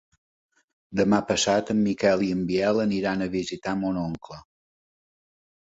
Demà passat en Miquel i en Biel aniran a visitar mon oncle.